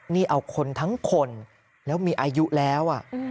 นี่เอาคนทั้งคนแล้วมีอายุแล้ว